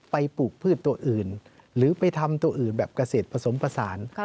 ปลูกพืชตัวอื่นหรือไปทำตัวอื่นแบบเกษตรผสมผสาน